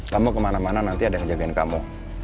kamu kemana mana nanti ada yang jagain kamu